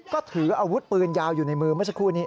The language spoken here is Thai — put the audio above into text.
ก็ถืออาวุธปืนยาวอยู่ในมือเมื่อสักครู่นี้